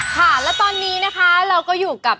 ค่ะแล้วตอนนี้นะคะเราก็อยู่กับ